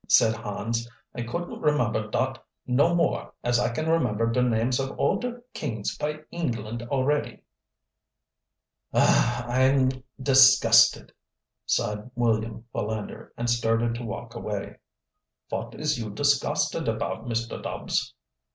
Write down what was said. said Hans, "I couldn't remember dot no more as I can remember der names of all der kings py England alretty." "Oh, I am disgusted!" sighed William Philander, and started to walk away. "Vot is you disgusted apout, Mr. Dubbs?"